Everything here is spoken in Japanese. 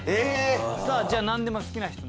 さぁじゃあ何でも好きな質問。